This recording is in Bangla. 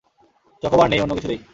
চকোবার নেই, অন্যকিছু দেই।